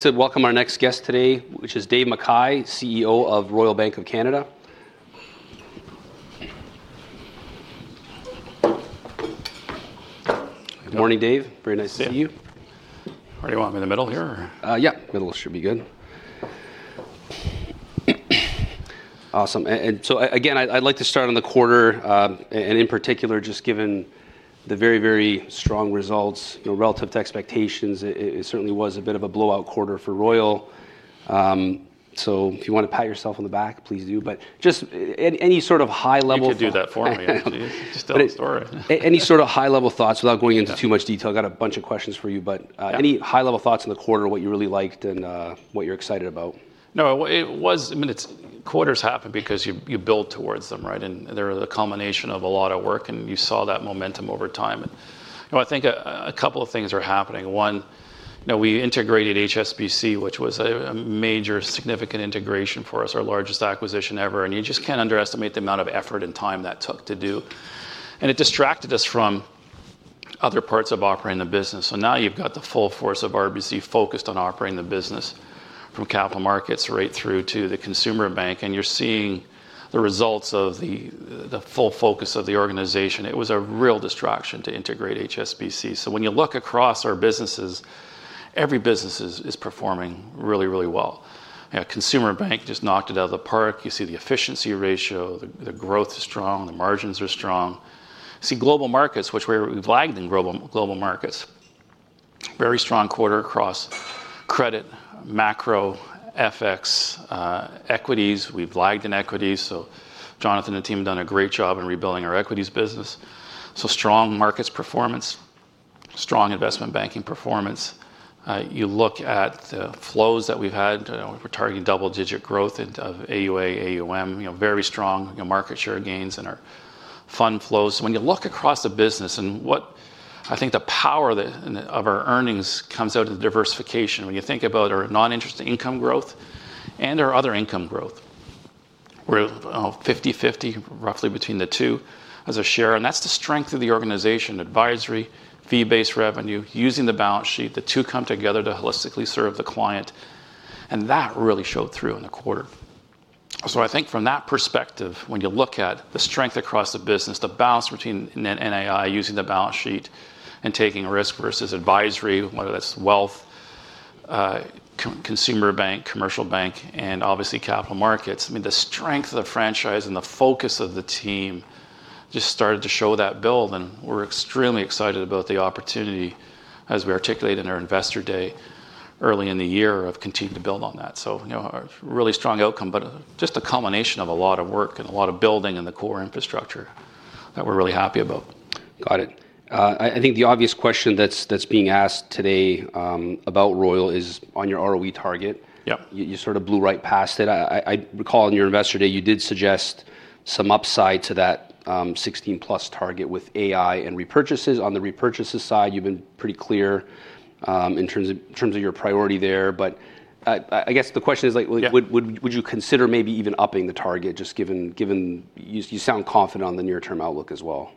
To welcome our next guest today, which is Dave McKay, CEO of Royal Bank of Canada. Morning, Dave. Very nice to see you. How do you want me in the middle here? Yeah, middle should be good. Awesome. I'd like to start on the quarter, in particular, just given the very, very strong results, you know, relative to expectations. It certainly was a bit of a blowout quarter for Royal Bank of Canada. If you want to pat yourself on the back, please do. Just any sort of high level... You could do that for me, actually. Just tell the story. Any sort of high-level thoughts without going into too much detail? I got a bunch of questions for you, but any high-level thoughts on the quarter, what you really liked, and what you're excited about? No, it was, I mean, quarters happen because you build towards them, right? They're a combination of a lot of work, and you saw that momentum over time. I think a couple of things are happening. One, we integrated HSBC Bank Canada, which was a major significant integration for us, our largest acquisition ever. You just can't underestimate the amount of effort and time that took to do. It distracted us from other parts of operating the business. Now you've got the full force of RBC focused on operating the business from Capital Markets right through to the consumer bank. You're seeing the results of the full focus of the organization. It was a real distraction to integrate HSBC Bank Canada. When you look across our businesses, every business is performing really, really well. A consumer bank just knocked it out of the park. You see the efficiency ratio, the growth is strong, the margins are strong. You see global markets, which we've lagged in global markets. Very strong quarter across credit, macro, FX, equities. We've lagged in equities. Jonathan and team have done a great job in rebuilding our equities business. Strong markets performance, strong Investment Banking performance. You look at the flows that we've had, we're targeting double-digit growth of AUA, AUM, very strong market share gains in our fund flows. When you look across the business and what I think the power of our earnings comes out of the diversification. When you think about our non-interest income growth and our other income growth, we're 50-50, roughly between the two as a share. That's the strength of the organization: advisory, fee-based revenue, using the balance sheet. The two come together to holistically serve the client. That really showed through in the quarter. I think from that perspective, when you look at the strength across the business, the balance between NAI using the balance sheet and taking risk versus advisory, whether that's Wealth Management, consumer bank, Commercial Banking, and obviously Capital Markets. The strength of the franchise and the focus of the team just started to show that build. We're extremely excited about the opportunity as we articulated in our investor day early in the year of continuing to build on that. A really strong outcome, but just a culmination of a lot of work and a lot of building in the core infrastructure that we're really happy about. Got it. I think the obvious question that's being asked today about Royal Bank of Canada is on your ROE target. Yeah. You sort of blew right past it. I recall in your investor day, you did suggest some upside to that 16% plus target with AI and repurchases. On the repurchases side, you've been pretty clear in terms of your priority there. I guess the question is, would you consider maybe even upping the target just given you sound confident on the near-term outlook as well?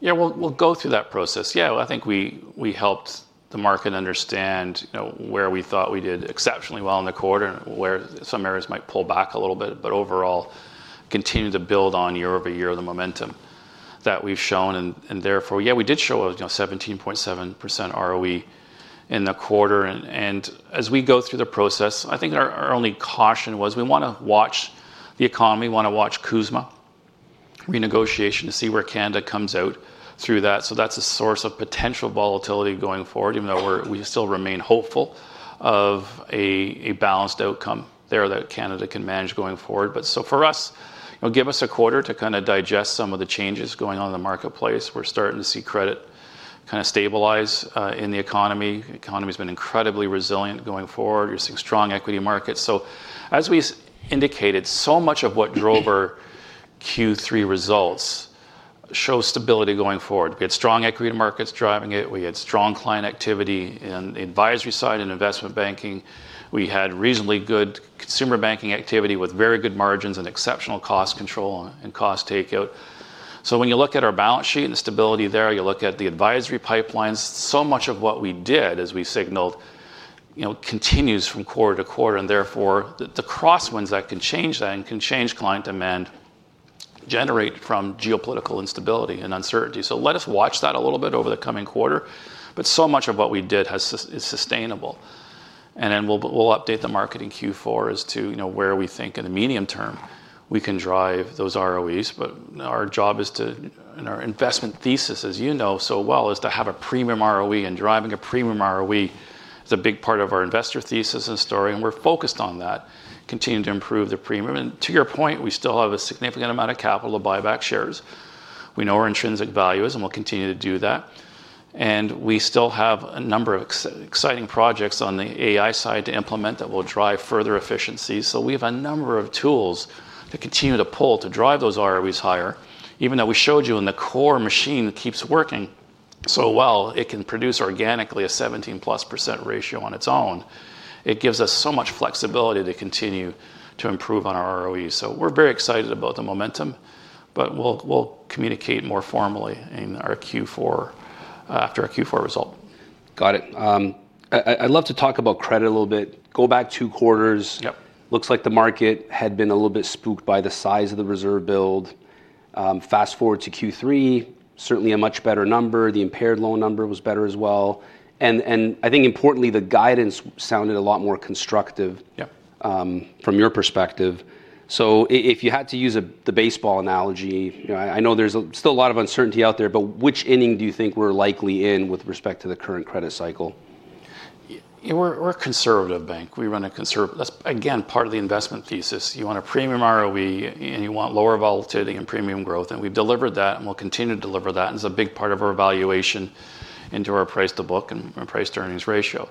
Yeah, we'll go through that process. I think we helped the market understand where we thought we did exceptionally well in the quarter and where some areas might pull back a little bit, but overall continue to build on year over year the momentum that we've shown. Therefore, we did show a 17.7% ROE in the quarter. As we go through the process, I think our only caution was we want to watch the economy, we want to watch Kuzma renegotiation, to see where Canada comes out through that. That's a source of potential volatility going forward, even though we still remain hopeful of a balanced outcome there that Canada can manage going forward. For us, give us a quarter to kind of digest some of the changes going on in the marketplace. We're starting to see credit kind of stabilize in the economy. The economy's been incredibly resilient going forward. You're seeing strong equity markets. As we indicated, so much of what drove our Q3 results shows stability going forward. We had strong equity markets driving it. We had strong client activity in the advisory side and investment banking. We had reasonably good consumer banking activity with very good margins and exceptional cost control and cost takeout. When you look at our balance sheet and the stability there, you look at the advisory pipelines, so much of what we did as we signaled continues from quarter to quarter. The crosswinds that can change that and can change client demand generate from geopolitical instability and uncertainty. Let us watch that a little bit over the coming quarter. So much of what we did is sustainable. We'll update the market in Q4 as to where we think in the medium term we can drive those ROEs. Our job is to, and our investment thesis, as you know so well, is to have a premium ROE and driving a premium ROE is a big part of our investor thesis and story. We're focused on that, continuing to improve the premium. To your point, we still have a significant amount of capital to buy back shares. We know our intrinsic value is, and we'll continue to do that. We still have a number of exciting projects on the AI side to implement that will drive further efficiencies. We have a number of tools to continue to pull to drive those ROEs higher. Even though we showed you in the core machine that keeps working so well, it can produce organically a 17%+ ratio on its own. It gives us so much flexibility to continue to improve on our ROE. We're very excited about the momentum, but we'll communicate more formally in our Q4, after our Q4 result. Got it. I'd love to talk about credit a little bit. Go back two quarters. Looks like the market had been a little bit spooked by the size of the reserve build. Fast forward to Q3, certainly a much better number. The impaired loan number was better as well. I think importantly, the guidance sounded a lot more constructive from your perspective. If you had to use the baseball analogy, I know there's still a lot of uncertainty out there, but which inning do you think we're likely in with respect to the current credit cycle? Yeah, we're a conservative bank. We run a conservative, that's again part of the investment thesis. You want a premium ROE and you want lower volatility and premium growth. We've delivered that and we'll continue to deliver that. It's a big part of our valuation into our price to book and our price to earnings ratio.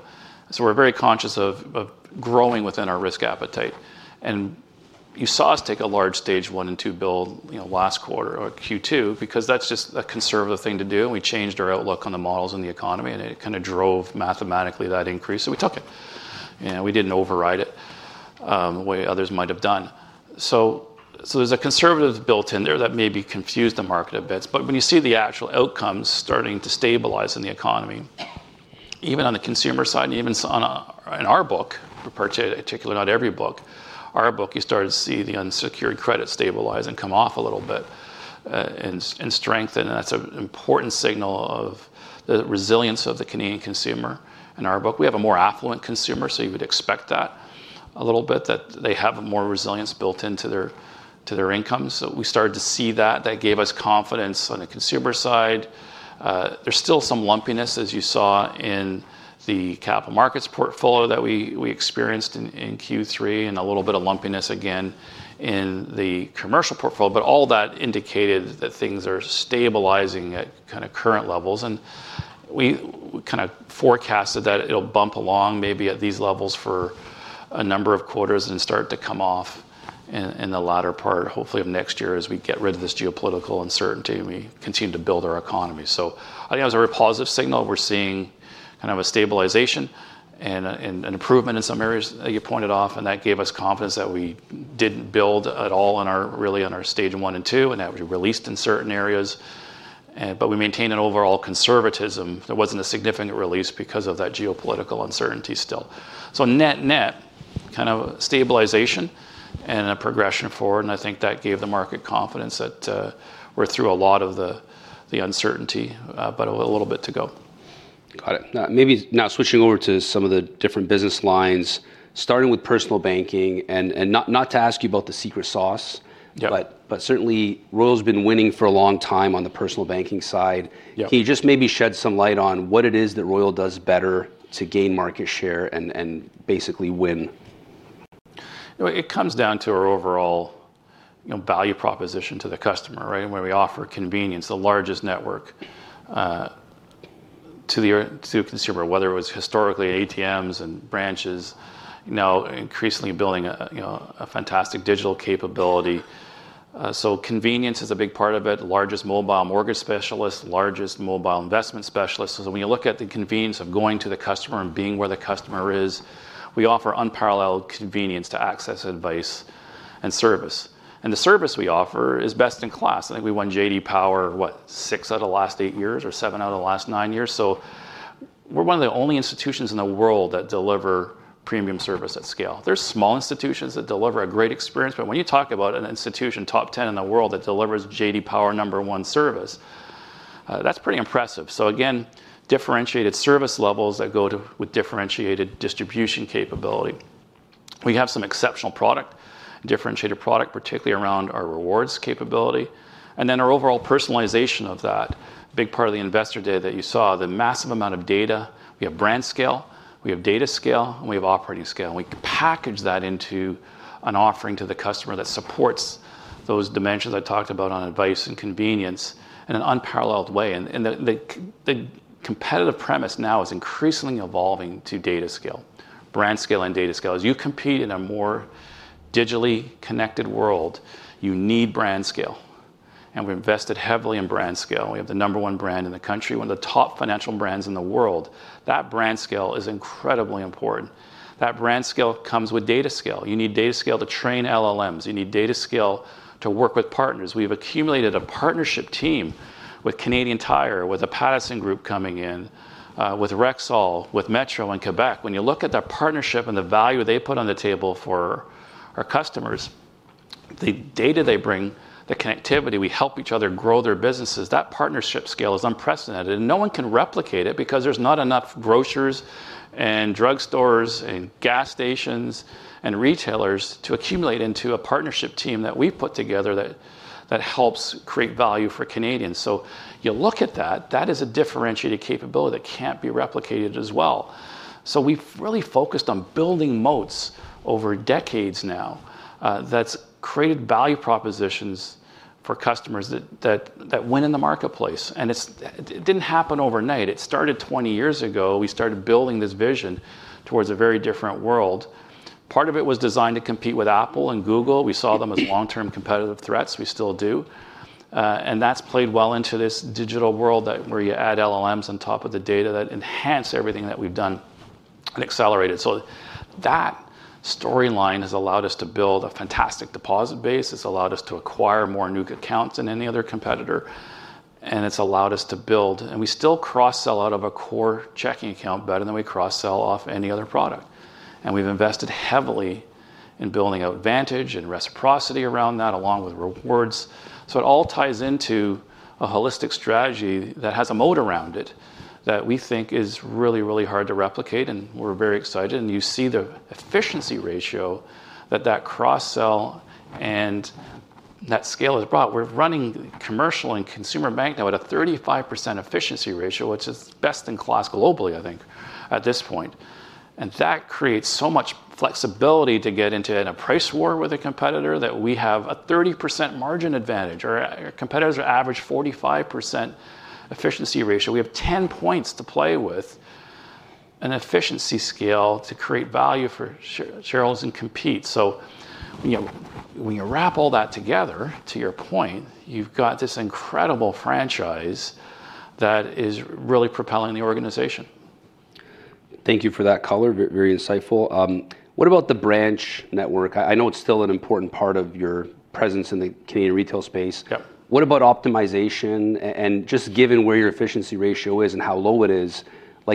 We're very conscious of growing within our risk appetite. You saw us take a large stage one and two build last quarter or Q2 because that's just a conservative thing to do. We changed our outlook on the models and the economy and it kind of drove mathematically that increase. We took it. We didn't override it the way others might have done. There's a conservative built in there that maybe confused the market a bit. When you see the actual outcomes starting to stabilize in the economy, even on the consumer side, and even in our book, particularly not every book, our book, you started to see the unsecured credit stabilize and come off a little bit and strengthen. That's an important signal of the resilience of the Canadian consumer. In our book, we have a more affluent consumer, so you would expect that a little bit, that they have more resilience built into their income. We started to see that. That gave us confidence on the consumer side. There's still some lumpiness, as you saw in the capital markets portfolio that we experienced in Q3 and a little bit of lumpiness again in the commercial portfolio. All that indicated that things are stabilizing at kind of current levels. We kind of forecasted that it'll bump along maybe at these levels for a number of quarters and start to come off in the latter part, hopefully of next year, as we get rid of this geopolitical uncertainty and we continue to build our economy. I think that was a very positive signal. We're seeing kind of a stabilization and an improvement in some areas that you pointed off. That gave us confidence that we didn't build at all in our really on our stage one and two and that we released in certain areas. We maintained an overall conservatism. There wasn't a significant release because of that geopolitical uncertainty still. Net-net kind of stabilization and a progression forward. I think that gave the market confidence that we're through a lot of the uncertainty, but a little bit to go. Got it. Now maybe switching over to some of the different business lines, starting with personal banking, and not to ask you about the secret sauce, but certainly Royal's been winning for a long time on the personal banking side. Can you just maybe shed some light on what it is that Royal does better to gain market share and basically win? It comes down to our overall value proposition to the customer, right? Where we offer convenience, the largest network to the consumer, whether it was historically ATMs and branches, now increasingly building a fantastic digital capability. Convenience is a big part of it. Largest mobile mortgage specialist, largest mobile investment specialist. When you look at the convenience of going to the customer and being where the customer is, we offer unparalleled convenience to access advice and service. The service we offer is best in class. I think we won J.D. Power, what, six out of the last eight years or seven out of the last nine years. We're one of the only institutions in the world that deliver premium service at scale. There are small institutions that deliver a great experience, but when you talk about an institution, top 10 in the world that delivers J.D. Power number one service, that's pretty impressive. Differentiated service levels go with differentiated distribution capability. We have some exceptional product, differentiated product, particularly around our rewards capability. Our overall personalization of that, big part of the investor data that you saw, the massive amount of data. We have brand scale, we have data scale, and we have operating scale. We can package that into an offering to the customer that supports those dimensions I talked about on advice and convenience in an unparalleled way. The competitive premise now is increasingly evolving to data scale, brand scale, and data scale. As you compete in a more digitally connected world, you need brand scale. We've invested heavily in brand scale. We have the number one brand in the country, one of the top financial brands in the world. That brand scale is incredibly important. That brand scale comes with data scale. You need data scale to train large language models (LLMs). You need data scale to work with partners. We've accumulated a partnership team with Canadian Tire, with the Pattison Group coming in, with Rexall, with Metro in Quebec. When you look at that partnership and the value they put on the table for our customers, the data they bring, the connectivity, we help each other grow their businesses. That partnership scale is unprecedented. No one can replicate it because there's not enough grocers and drugstores and gas stations and retailers to accumulate into a partnership team that we've put together that helps create value for Canadians. You look at that, that is a differentiated capability that can't be replicated as well. We've really focused on building moats over decades now that's created value propositions for customers that win in the marketplace. It didn't happen overnight. It started 20 years ago. We started building this vision towards a very different world. Part of it was designed to compete with Apple and Google. We saw them as long-term competitive threats. We still do. That has played well into this digital world where you add large language models (LLMs) on top of the data that enhance everything that we've done and accelerated. That storyline has allowed us to build a fantastic deposit base. It's allowed us to acquire more new accounts than any other competitor. It's allowed us to build, and we still cross-sell out of a core checking account better than we cross-sell off any other product. We've invested heavily in building an advantage and reciprocity around that, along with rewards. It all ties into a holistic strategy that has a moat around it that we think is really, really hard to replicate. We're very excited. You see the efficiency ratio that that cross-sell and that scale has brought. We're running Commercial and Consumer Banking now at a 35% efficiency ratio, which is best in class globally, I think, at this point. That creates so much flexibility to get into a price war with a competitor when we have a 30% margin advantage, or competitors are averaging a 45% efficiency ratio. We have 10 points to play with in efficiency scale to create value for shareholders and compete. When you wrap all that together, to your point, you've got this incredible franchise that is really propelling the organization. Thank you for that color. Very insightful. What about the branch network? I know it's still an important part of your presence in the Canadian retail space. What about optimization? Just given where your efficiency ratio is and how low it is,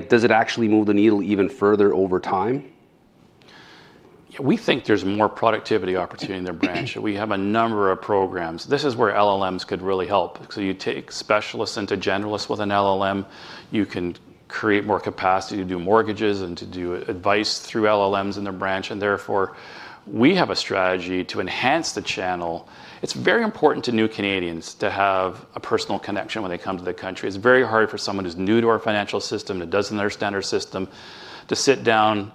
does it actually move the needle even further over time? We think there's more productivity opportunity in their branch. We have a number of programs. This is where large language models (LLMs) could really help. You take specialists into generalists with an LLM. You can create more capacity to do mortgages and to do advice through LLMs in their branch. Therefore, we have a strategy to enhance the channel. It's very important to new Canadians to have a personal connection when they come to the country. It's very hard for someone who's new to our financial system that doesn't understand our system to sit down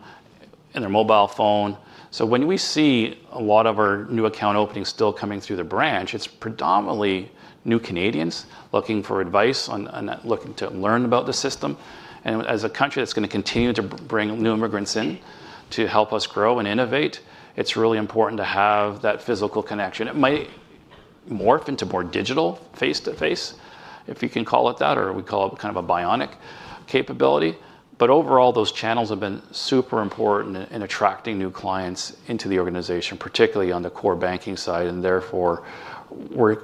in their mobile phone. We see a lot of our new account openings still coming through the branch. It's predominantly new Canadians looking for advice and looking to learn about the system. As a country that's going to continue to bring new immigrants in to help us grow and innovate, it's really important to have that physical connection. It might morph into more digital face-to-face, if you can call it that, or we call it kind of a bionic capability. Overall, those channels have been super important in attracting new clients into the organization, particularly on the core banking side. Therefore, we're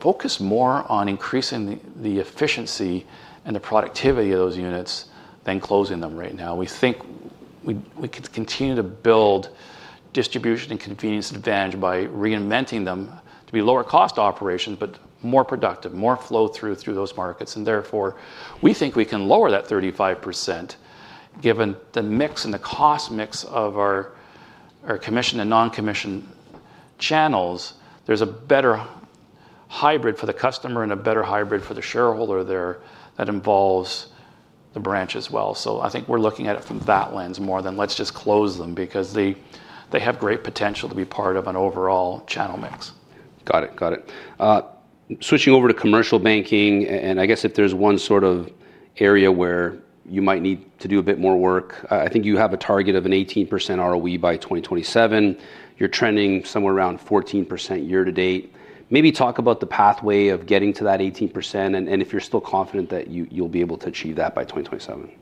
focused more on increasing the efficiency and the productivity of those units than closing them right now. We think we could continue to build distribution and convenience advantage by reinventing them to be lower cost operations, but more productive, more flow through through those markets. Therefore, we think we can lower that 35% given the mix and the cost mix of our commission and non-commission channels. There's a better hybrid for the customer and a better hybrid for the shareholder there that involves the branch as well. I think we're looking at it through that lens more than let's just close them because they have great potential to be part of an overall channel mix. Got it. Switching over to Commercial Banking, and I guess if there's one sort of area where you might need to do a bit more work, I think you have a target of an 18% ROE by 2027. You're trending somewhere around 14% year to date. Maybe talk about the pathway of getting to that 18% and if you're still confident that you'll be able to achieve that by 2027.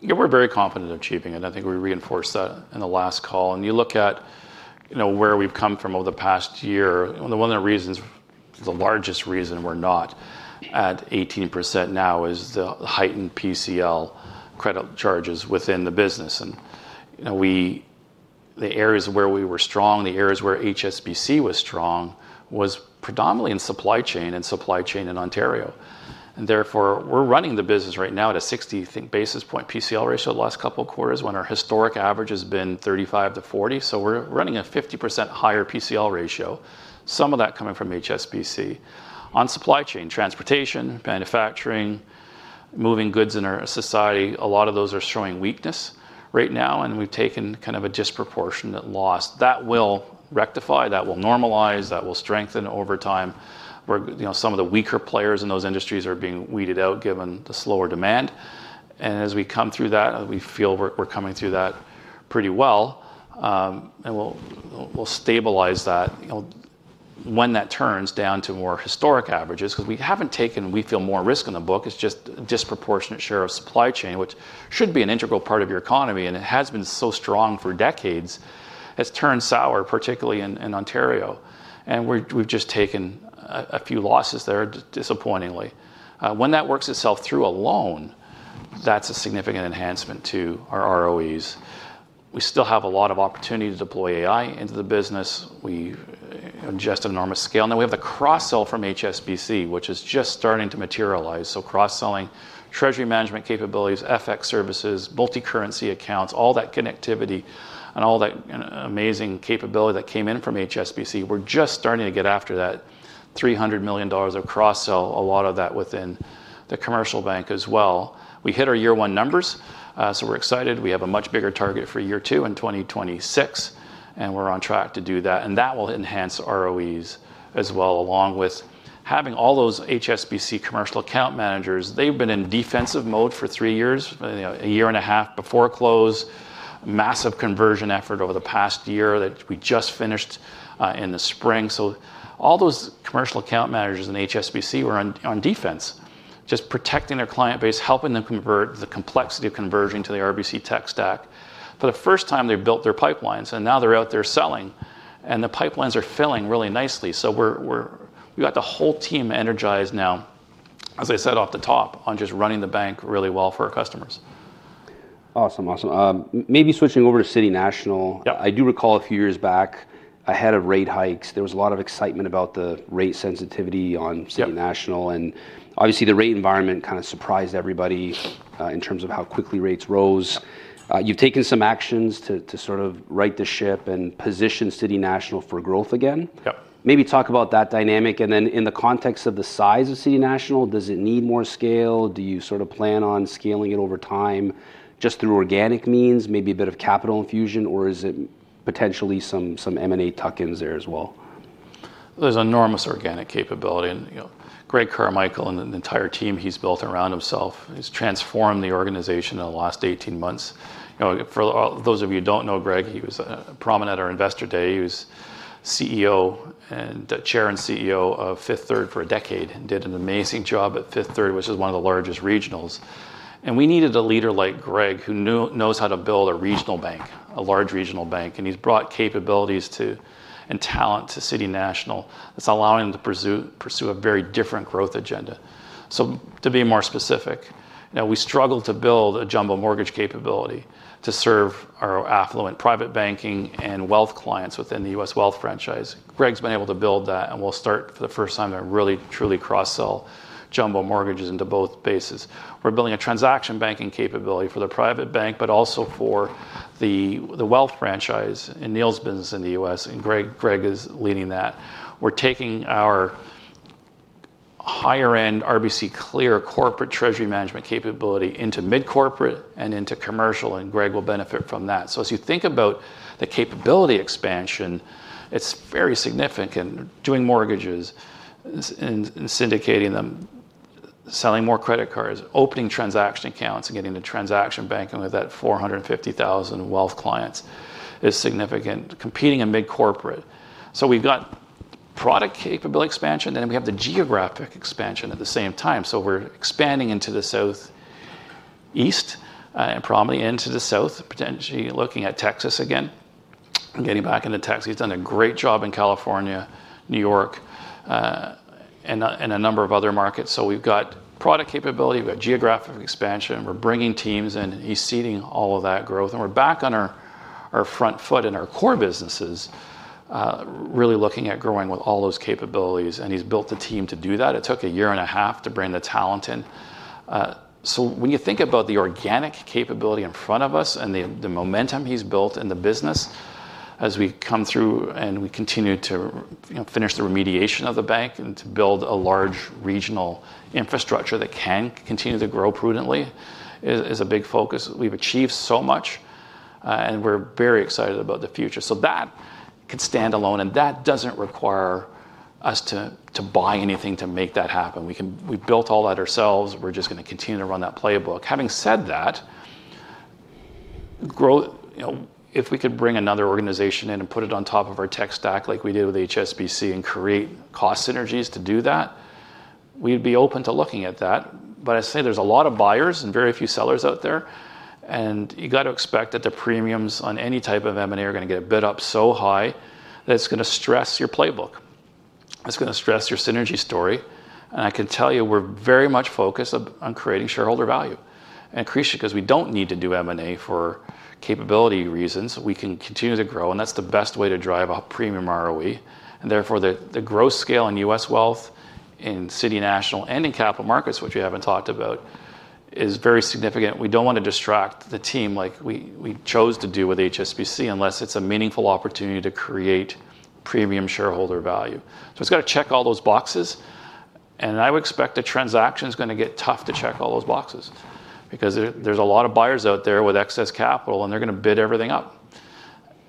Yeah, we're very confident in achieving it. I think we reinforced that in the last call. You look at, you know, where we've come from over the past year. One of the reasons, the largest reason we're not at 18% now is the heightened PCL credit charges within the business. The areas where we were strong, the areas where HSBC was strong, was predominantly in supply chain and supply chain in Ontario. Therefore, we're running the business right now at a 60 basis point PCL ratio the last couple of quarters when our historic average has been 35 - 40. We're running a 50% higher PCL ratio, some of that coming from HSBC on supply chain, transportation, manufacturing, moving goods in our society. A lot of those are showing weakness right now. We've taken kind of a disproportionate loss. That will rectify, that will normalize, that will strengthen over time. Some of the weaker players in those industries are being weeded out given the slower demand. As we come through that, we feel we're coming through that pretty well. We'll stabilize that when that turns down to more historic averages, because we haven't taken, we feel, more risk in the book. It's just a disproportionate share of supply chain, which should be an integral part of your economy. It has been so strong for decades. It's turned sour, particularly in Ontario. We've just taken a few losses there, disappointingly. When that works itself through alone, that's a significant enhancement to our ROEs. We still have a lot of opportunity to deploy AI into the business. We ingest an enormous scale. We have the cross-sell from HSBC, which is just starting to materialize. Cross-selling treasury management capabilities, FX services, multi-currency accounts, all that connectivity, and all that amazing capability that came in from HSBC. We're just starting to get after that $300 million of cross-sell, a lot of that within the commercial bank as well. We hit our year-one numbers. We're excited. We have a much bigger target for year two in 2026. We're on track to do that. That will enhance ROEs as well, along with having all those HSBC commercial account managers. They've been in defensive mode for three years, a year and a half before close, massive conversion effort over the past year that we just finished in the spring. All those commercial account managers in HSBC were on defense, just protecting their client base, helping them convert, the complexity of conversion to the RBC tech stack. For the first time, they built their pipelines. Now they're out there selling. The pipelines are filling really nicely. We've got the whole team energized now, as I said off the top, on just running the bank really well for our customers. Awesome, awesome. Maybe switching over to City National. I do recall a few years back, ahead of rate hikes, there was a lot of excitement about the rate sensitivity on City National. Obviously, the rate environment kind of surprised everybody in terms of how quickly rates rose. You've taken some actions to sort of right the ship and position City National for growth again. Maybe talk about that dynamic. In the context of the size of City National, does it need more scale? Do you sort of plan on scaling it over time just through organic means, maybe a bit of capital infusion, or is it potentially some M&A tuck-ins there as well? There's enormous organic capability. Greg Carmichael and the entire team he's built around himself has transformed the organization in the last 18 months. For those of you who don't know Greg, he was prominent at our investor day. He was CEO and Chair and CEO of Fifth Third for a decade and did an amazing job at Fifth Third, which is one of the largest regionals. We needed a leader like Greg who knows how to build a regional bank, a large regional bank. He's brought capabilities and talent to City National Bank. It's allowing him to pursue a very different growth agenda. To be more specific, we struggled to build a jumbo mortgage capability to serve our affluent private banking and wealth clients within the U.S. wealth franchise. Greg's been able to build that and will start for the first time to really, truly cross-sell jumbo mortgages into both bases. We're building a transaction banking capability for the private bank, but also for the wealth franchise and Neil's business in the U.S., and Greg is leading that. We're taking our higher-end RBC clear corporate treasury management capability into mid-corporate and into commercial, and Greg will benefit from that. As you think about the capability expansion, it's very significant. Doing mortgages and syndicating them, selling more credit cards, opening transaction accounts, and getting into transaction banking with that 450,000 wealth clients is significant, competing in mid-corporate. We've got product capability expansion. We have the geographic expansion at the same time. We're expanding into the Southeast and probably into the South, potentially looking at Texas again, getting back into Texas. He's done a great job in California, New York, and a number of other markets. We've got product capability. We've got geographic expansion. We're bringing teams in. He's seeding all of that growth. We're back on our front foot in our core businesses, really looking at growing with all those capabilities. He's built the team to do that. It took a year and a half to bring the talent in. When you think about the organic capability in front of us and the momentum he's built in the business, as we come through and we continue to finish the remediation of the bank and to build a large regional infrastructure that can continue to grow prudently is a big focus. We've achieved so much. We're very excited about the future. That can stand alone. That doesn't require us to buy anything to make that happen. We built all that ourselves. We're just going to continue to run that playbook. Having said that, growth, you know, if we could bring another organization in and put it on top of our tech stack like we did with HSBC Bank Canada and create cost synergies to do that, we'd be open to looking at that. There are a lot of buyers and very few sellers out there. You have to expect that the premiums on any type of M&A are going to get bid up so high that it's going to stress your playbook. It's going to stress your synergy story. I can tell you we're very much focused on creating shareholder value. Crucially, because we don't need to do M&A for capability reasons, we can continue to grow. That's the best way to drive a premium ROE. Therefore, the growth scale in U.S. wealth, in City National Bank, and in capital markets, which we haven't talked about, is very significant. We don't want to distract the team like we chose to do with HSBC Bank Canada unless it's a meaningful opportunity to create premium shareholder value. It's got to check all those boxes. I would expect the transaction is going to get tough to check all those boxes because there are a lot of buyers out there with excess capital, and they're going to bid everything up.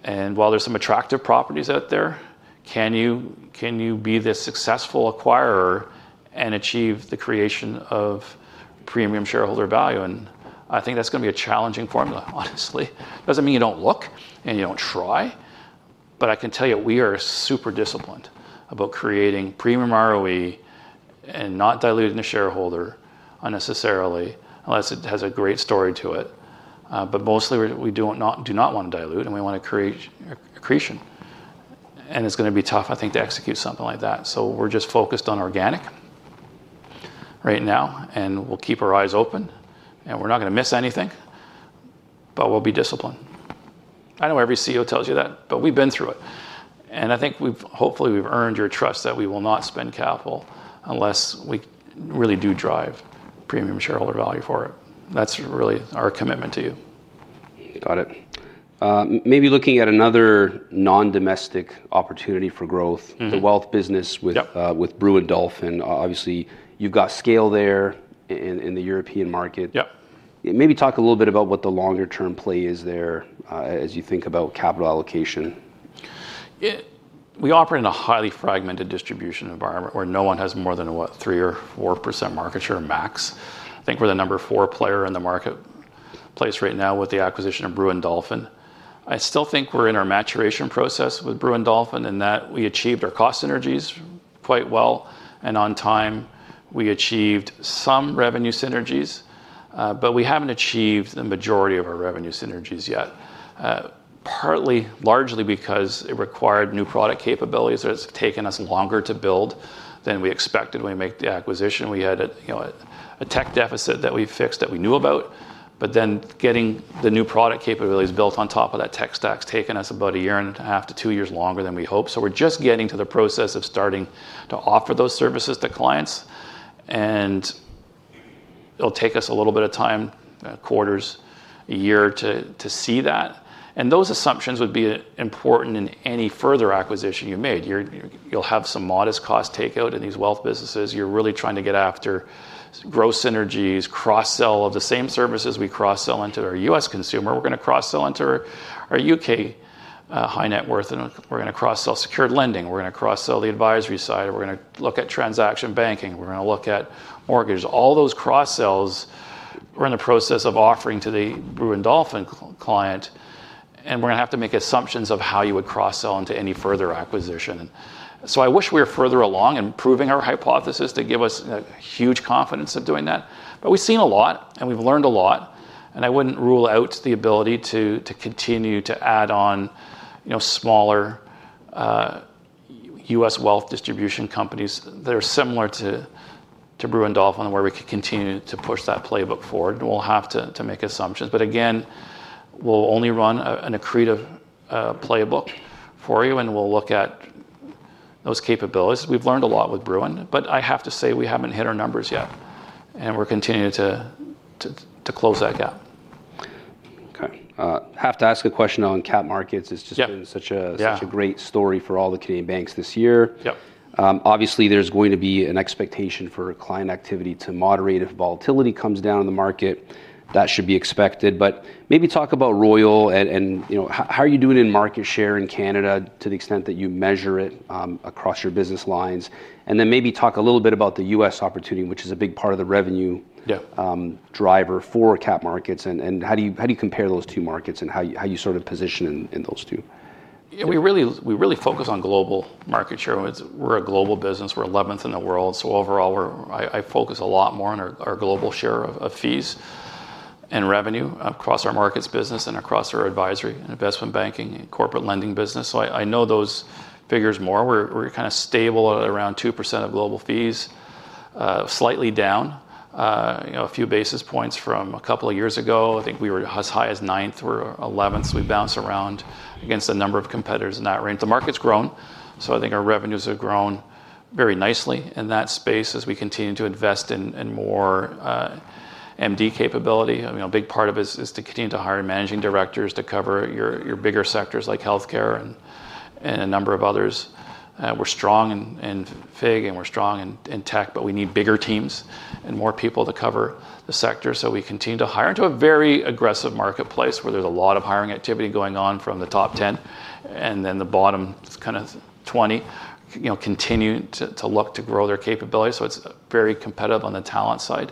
While there are some attractive properties out there, can you be the successful acquirer and achieve the creation of premium shareholder value? I think that's going to be a challenging formula, honestly. It doesn't mean you don't look and you don't try. I can tell you we are super disciplined about creating premium ROE and not diluting the shareholder unnecessarily unless it has a great story to it. Mostly, we do not want to dilute, and we want to create a creation. It's going to be tough, I think, to execute something like that. We're just focused on organic right now, and we'll keep our eyes open. We're not going to miss anything, but we'll be disciplined. I know every CEO tells you that, but we've been through it. I think we've hopefully earned your trust that we will not spend capital unless we really do drive premium shareholder value for it. That's really our commitment to you. Got it. Maybe looking at another non-domestic opportunity for growth, the wealth business with Brewin Dolphin. Obviously, you've got scale there in the European market. Maybe talk a little bit about what the longer-term play is there as you think about capital allocation. We operate in a highly fragmented distribution environment where no one has more than, what, 3% or 4% market share max. I think we're the number four player in the marketplace right now with the acquisition of Brewin Dolphin. I still think we're in our maturation process with Brewin Dolphin in that we achieved our cost synergies quite well and on time. We achieved some revenue synergies, but we haven't achieved the majority of our revenue synergies yet, largely because it required new product capabilities that have taken us longer to build than we expected. When we made the acquisition, we had a tech deficit that we fixed that we knew about. Getting the new product capabilities built on top of that tech stack has taken us about a year and a half to two years longer than we hoped. We're just getting to the process of starting to offer those services to clients. It'll take us a little bit of time, quarters, a year to see that. Those assumptions would be important in any further acquisition you made. You'll have some modest cost takeout in these wealth businesses. You're really trying to get after growth synergies, cross-sell of the same services we cross-sell into our U.S. consumer. We're going to cross-sell into our U.K. high net worth. We're going to cross-sell secured lending. We're going to cross-sell the advisory side. We're going to look at transaction banking. We're going to look at mortgages. All those cross-sells we're in the process of offering to the Brewin Dolphin client. We're going to have to make assumptions of how you would cross-sell into any further acquisition. I wish we were further along in proving our hypothesis to give us a huge confidence of doing that. We've seen a lot, and we've learned a lot. I wouldn't rule out the ability to continue to add on, you know, smaller U.S. wealth distribution companies that are similar to Brewin Dolphin where we could continue to push that playbook forward. We'll have to make assumptions. We'll only run an accretive playbook for you. We'll look at those capabilities. We've learned a lot with Brewin Dolphin. I have to say we haven't hit our numbers yet. We're continuing to close that gap. Have to ask a question on Capital Markets. It's just been such a great story for all the Canadian banks this year. Obviously, there's going to be an expectation for client activity to moderate if volatility comes down in the market. That should be expected. Maybe talk about Royal and how you're doing in market share in Canada to the extent that you measure it across your business lines. Maybe talk a little bit about the U.S. opportunity, which is a big part of the revenue driver for Capital Markets. How do you compare those two markets and how you sort of position in those two? Yeah, we really focus on global market share. We're a global business. We're 11th in the world. Overall, I focus a lot more on our global share of fees and revenue across our markets business and across our advisory and investment banking and corporate lending business. I know those figures more. We're kind of stable at around 2% of global fees, slightly down a few basis points from a couple of years ago. I think we were as high as ninth or 11th. We bounce around against a number of competitors in that range. The market's grown. I think our revenues have grown very nicely in that space as we continue to invest in more MD capability. A big part of it is to continue to hire Managing Directors to cover your bigger sectors like healthcare and a number of others. We're strong in FIG and we're strong in tech, but we need bigger teams and more people to cover the sector. We continue to hire into a very aggressive marketplace where there's a lot of hiring activity going on from the top 10 and then the bottom kind of 20 continue to look to grow their capability. It's very competitive on the talent side.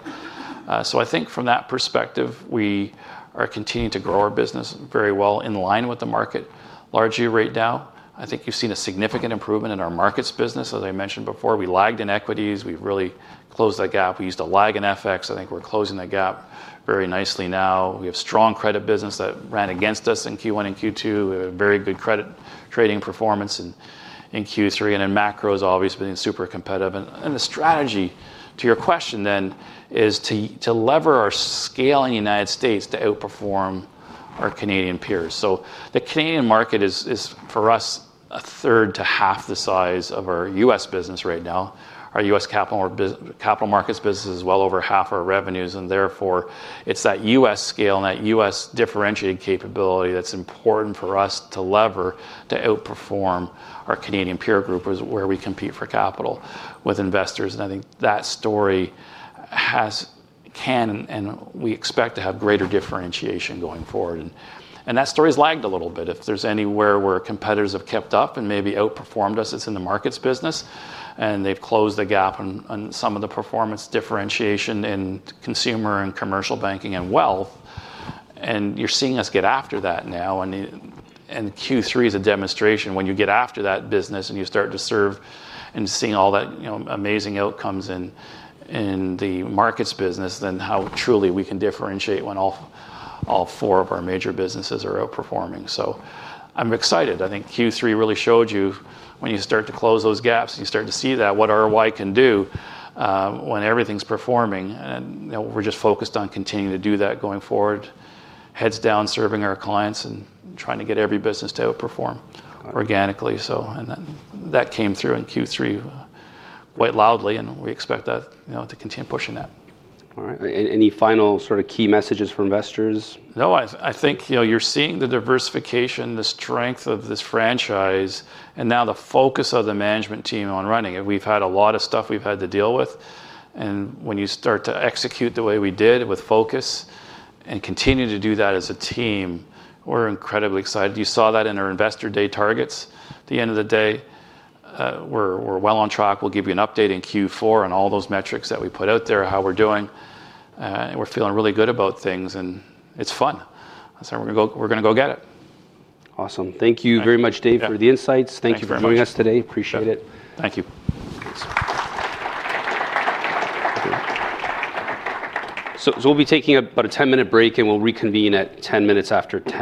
I think from that perspective, we are continuing to grow our business very well in line with the market. Largely right now, I think you've seen a significant improvement in our markets business. As I mentioned before, we lagged in equities. We really closed that gap. We used to lag in FX. I think we're closing that gap very nicely now. We have strong credit business that ran against us in Q1 and Q2. We have very good credit trading performance in Q3. In macro, it's always been super competitive. The strategy to your question then is to lever our scale in the United States to outperform our Canadian peers. The Canadian market is for us a third to half the size of our U.S. business right now. Our U.S. capital markets business is well over half our revenues. Therefore, it's that U.S. scale and that U.S. differentiating capability that's important for us to lever to outperform our Canadian peer group where we compete for capital with investors. I think that story can and we expect to have greater differentiation going forward. That story's lagged a little bit. If there's anywhere where competitors have kept up and maybe outperformed us, it's in the markets business. They've closed the gap on some of the performance differentiation in consumer and commercial banking and wealth. You're seeing us get after that now. Q3 is a demonstration when you get after that business and you start to serve and seeing all that amazing outcomes in the markets business and how truly we can differentiate when all four of our major businesses are outperforming. I'm excited. I think Q3 really showed you when you start to close those gaps and you start to see that what ROI can do when everything's performing. We're just focused on continuing to do that going forward, heads down, serving our clients and trying to get every business to outperform organically. That came through in Q3 quite loudly. We expect that to continue pushing that. All right. Any final sort of key messages for investors? No, I think you're seeing the diversification, the strength of this franchise, and now the focus of the management team on running it. We've had a lot of stuff we've had to deal with. When you start to execute the way we did with focus and continue to do that as a team, we're incredibly excited. You saw that in our investor day targets. At the end of the day, we're well on track. We'll give you an update in Q4 on all those metrics that we put out there, how we're doing. We're feeling really good about things. It's fun. We're going to go get it. Awesome. Thank you very much, Dave, for the insights. Thank you for joining us today. Appreciate it. Thank you. We'll be taking about a 10-minute break and we'll reconvene at 10:10 A.M.